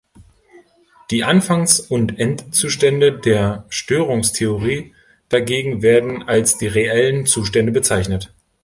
Die Anfangs- und Endzustände der Störungstheorie dagegen werden als die reellen Zustände bezeichnet.